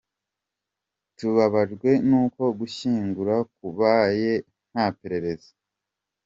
Tubabajwe n’uko gushyingura kubaye nta perereza”.